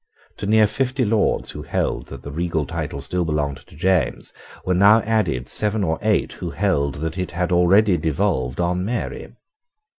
To near fifty Lords who held that the regal title still belonged to James were now added seven or eight who held that it had already devolved on Mary.